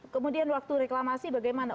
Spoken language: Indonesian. kemudian waktu reklamasi bagaimana